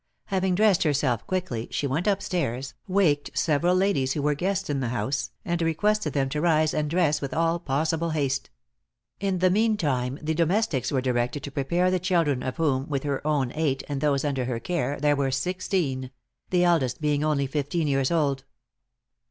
Having dressed herself quickly, she went up stairs, waked several ladies who were guests in the house, and requested them to rise and dress with all possible haste. In the meantime the domestics were directed to prepare the children, of whom, with her own eight and those under her care, there were sixteen; the eldest being only fifteen years old.